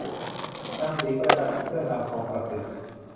นางศรีประจันเป็นเพื่อนนางทองประศรี